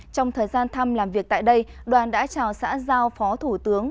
trong thời gian thăm làm việc tại đây đoàn đã chào xã giao phó thủ tướng